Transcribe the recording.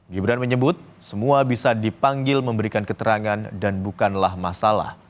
gibran menyebut semua bisa dipanggil memberikan keterangan dan bukanlah masalah